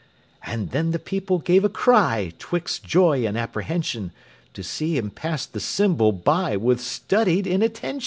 And then the people gave a cry, 'Twixt joy and apprehension, To see him pass the symbol by With studied inattention!